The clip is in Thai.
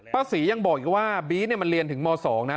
ป้าศรียังบอกอีกว่าบีทเนี่ยมันเรียนถึงม๒นะ